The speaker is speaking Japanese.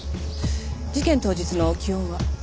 事件当日の気温は？